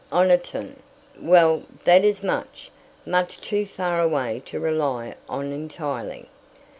Oniton. Well, that is much, much too far away to rely on entirely.